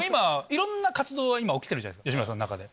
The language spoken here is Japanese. いろんな活動が今起きてるじゃないですか吉村さんの中で。